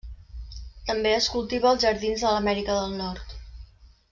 També es cultiva als jardins de l'Amèrica del Nord.